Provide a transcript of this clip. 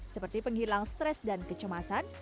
seperti penghilang stres dan kecemasan